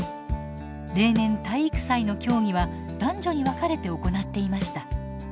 例年体育祭の競技は男女に分かれて行っていました。